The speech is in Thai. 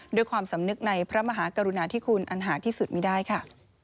ด้วยความสำนึกในพระมหากรุณาธิคุณอันหาที่สุดไม่ได้ค่ะ